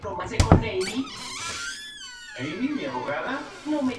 el absurdo de pretender cercar el viento